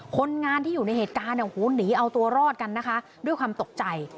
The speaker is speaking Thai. คนงานที่อยู่ในเหตุการณ์หนีเอาตัวรอดกันนะคะด้วยความตกใจ